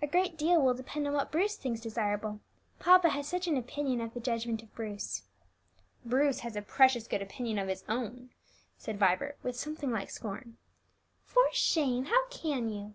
A great deal will depend on what Bruce thinks desirable, papa has such an opinion of the judgment of Bruce." "Bruce has a precious good opinion of his own," said Vibert, with something like scorn. "For shame! how can you!"